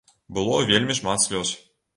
Было вельмі шмат слёз.